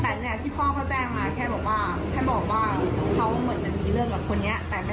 แต่ไม่แน่ใจว่าใช่หรือเปล่าเขาคงไม่ตามมาฆ่ามันพี่